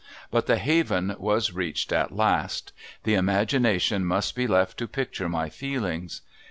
But the haven was reached at last. The imagination must be left to picture my feelings.